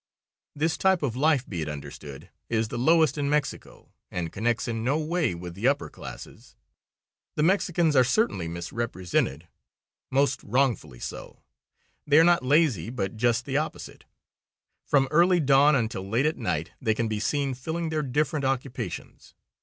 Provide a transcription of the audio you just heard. This type of life, be it understood, is the lowest in Mexico, and connects in no way with the upper classes. The Mexicans are certainly misrepresented, most wrongfully so. They are not lazy, but just the opposite. From early dawn until late at night they can be seen filling their different occupations.